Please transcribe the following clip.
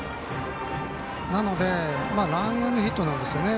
なのでランエンドヒットなんですね。